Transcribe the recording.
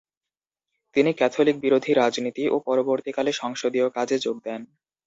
তিনি ক্যাথলিক-বিরোধী রাজনীতি ও পরবর্তীকালে সংসদীয় কাজে যোগ দেন।